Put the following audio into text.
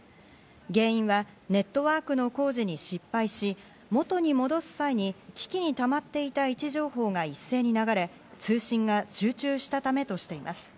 原因はネットワークの工事に失敗し、元に戻す際に機器にたまっていた位置情報が一斉に流れ、通信が集中したためとしています。